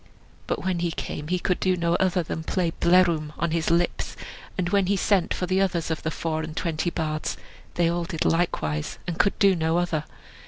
But when he came he could do no other than play "Blerwm!" on his lips; and when he sent for the others of the four and twenty bards, they all did likewise, and could do no other.